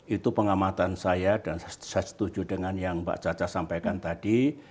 itu pengamatan saya dan saya setuju dengan yang mbak caca sampaikan tadi